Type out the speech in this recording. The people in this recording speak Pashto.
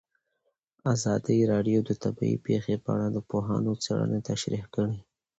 ازادي راډیو د طبیعي پېښې په اړه د پوهانو څېړنې تشریح کړې.